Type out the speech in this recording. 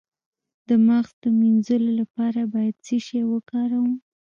د مغز د مینځلو لپاره باید څه شی وکاروم؟